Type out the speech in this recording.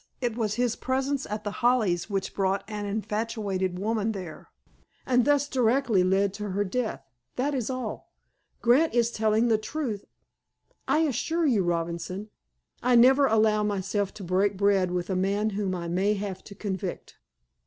It was his presence at The Hollies which brought an infatuated woman there, and thus directly led to her death. That is all. Grant is telling the truth. I assure you, Robinson, I never allow myself to break bread with a man whom I may have to convict.